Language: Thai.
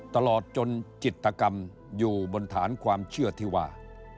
ตลอดจนจิตกรรมอยู่บนฐานความเชื่อที่ว่า